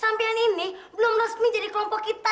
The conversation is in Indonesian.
sampaian ini belum resmi jadi kelompok kita